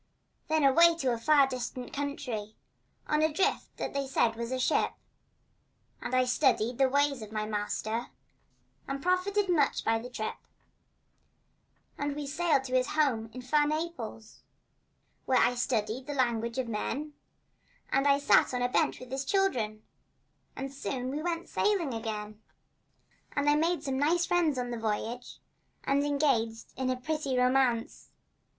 Then away to a far distant country On a drift that they said was a ship, And I studied the ways of my master And profited much by the trip. And we sailed to his home in fair Naples, Where I studied the language of men, And I sat on a bench with his children, But soon we went sailing again. And I made some nice friends on the voyage, And engaged in a pretty romance.